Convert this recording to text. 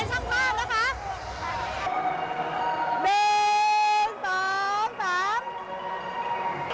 ถ่ายภาพกับแฟนคลับเป็นที่มารึก